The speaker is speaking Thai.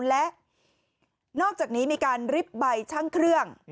และนอกจากนี้มีการริบใบชั่งเครื่อง